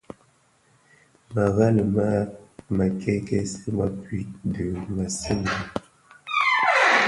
Mërèli më mè kèkèsi mëpuid dhi mësinden.